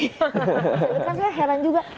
saya heran juga